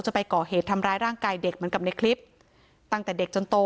จะไปก่อเหตุทำร้ายร่างกายเด็กเหมือนกับในคลิปตั้งแต่เด็กจนโต